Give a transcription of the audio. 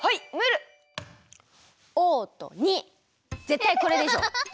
ぜったいこれでしょ？